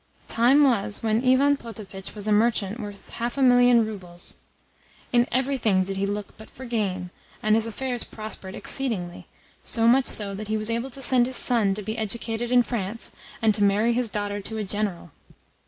"Time was when Ivan Potapitch was a merchant worth half a million roubles. In everything did he look but for gain, and his affairs prospered exceedingly, so much so that he was able to send his son to be educated in France, and to marry his daughter to a General.